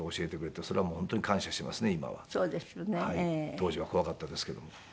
当時は怖かったですけども。